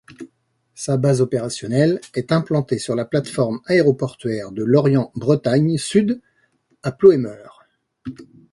Sa base opérationnelle est implantée sur la plateforme aéroportuaire de Lorient-Bretagne Sud à Ploemeur.